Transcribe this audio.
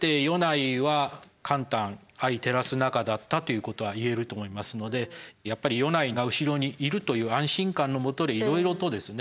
恐らくということは言えると思いますのでやっぱり米内が後ろにいるという安心感のもとでいろいろとですね